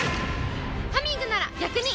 「ハミング」なら逆に！